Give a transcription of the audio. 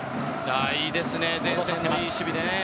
いいですね、前線でのいい守備。